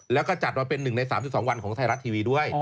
แล้วก็จัดมาเป็น๑ใน๓๒วันของไทยรัฐทีวีด้วย